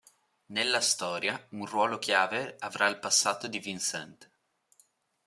Nella storia, un ruolo chiave avrà il passato di Vincent.